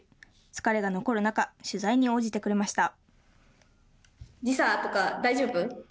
疲れが残る中取材に応じてくれました。